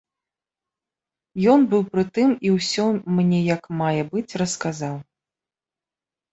Ён быў пры тым і ўсё мне як мае быць расказаў.